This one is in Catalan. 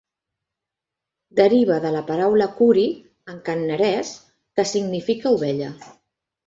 Deriva de la paraula "kuri" en kannarès, que significa "ovella".